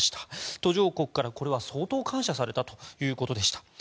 途上国から、これは相当感謝されたということでした。